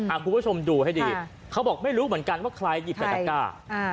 คุณผู้ชมดูให้ดีเขาบอกไม่รู้เหมือนกันว่าใครหยิบแต่ตะก้า